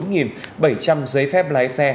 một mươi bốn bảy trăm linh giấy phép lái xe